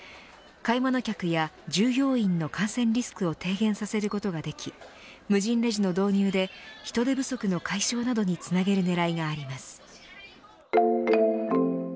買い物客や従業員の感染リスクを低減させることができ無人レジの導入で人手不足の解消などにつなげる狙いがあります。